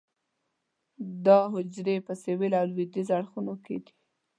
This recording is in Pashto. دا حجرې په سویل او لویدیځ اړخونو کې دي.